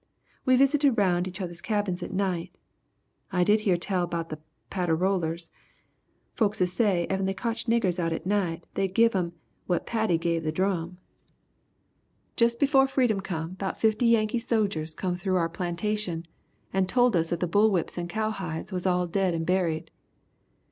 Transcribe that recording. We visited round each other's cabins at night. I did hear tell 'bout the patterollers. Folkses said effen they cotched niggers out at night they 'ud give 'em 'what Paddy give the drum'. "Jus' befo' freedom comed 'bout 50 Yankee sojers come through our plantation and told us that the bull whups and cow hides was all dead and buried.